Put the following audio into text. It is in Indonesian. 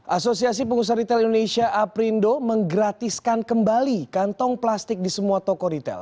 asosiasi pengusaha retail indonesia aprindo menggratiskan kembali kantong plastik di semua toko retail